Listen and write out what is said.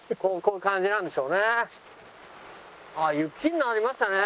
この感じなんでしょうね。